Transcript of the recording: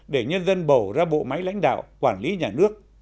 để nhân dân bầu ra bộ máy lãnh đạo quản lý nhà nước